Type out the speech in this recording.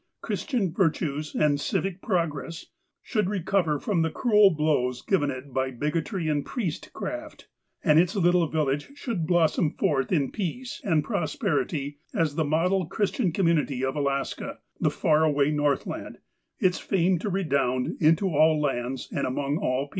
Christian virtues, and civic progress, should recover from the cruel blows given it by bigotry and priestcraft, and its little village should blossom forth in peace and prosperity as the model Christian community of Alaska, the far away Northland, its fame to redound into all lands, and among all people.